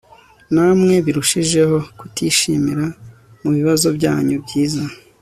Namwe birushijeho kutishimira mubibazo byanyu byiza